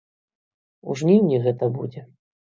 У жніўні гэта будзе.